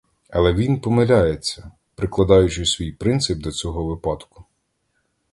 Але він помиляється, прикладаючи свій принцип до цього випадку.